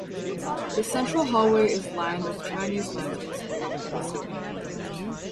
The central hallway is lined with Chinese lanterns hanging from the ceiling.